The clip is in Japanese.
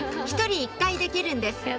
一人一回できるんです